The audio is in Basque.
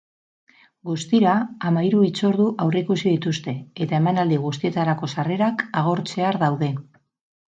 Guztira, hamahiru hitzordu aurreikusi dituzte, eta emanaldi guztietarako sarrerak agortzear daude.